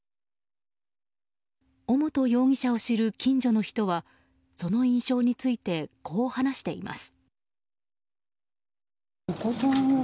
尾本容疑者を知る近所の人はその印象についてこう話しています。